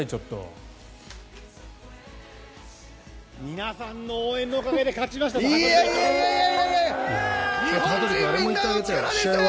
皆さんの応援のおかげで勝ちましたと羽鳥さんが。